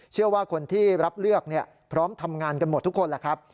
เชื่อว่าคนที่รับเลือกพร้อมทำงานกันหมดทุกคนแหละครับ